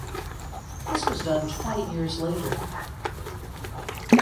This was done twenty years later.